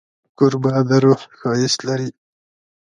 کوربه د روح ښایست لري.